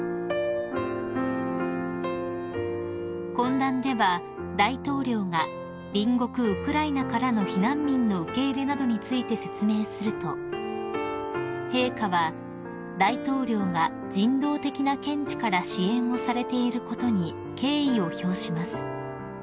［懇談では大統領が隣国ウクライナからの避難民の受け入れなどについて説明すると陛下は「大統領が人道的な見地から支援をされていることに敬意を表します」